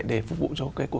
để phục vụ cho cuộc sống